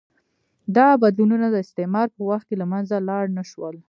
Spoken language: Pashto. دا بدلونونه د استعمار په وخت کې له منځه لاړ نه شول.